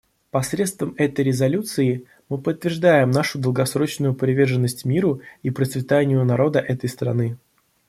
Посредством этой резолюции мы подтверждаем нашу долгосрочную приверженность миру и процветанию народа этой страны.